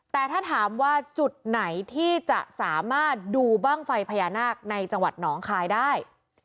แต่ถ้าถามว่าจุดไหนที่จะสามารถดูบ้างไฟพญานาคในจังหวัดหนองคายได้